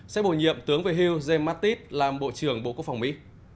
sẽ bổ nhiệm tướng về hiu james mattis làm bộ trưởng bộ quốc phòng mỹ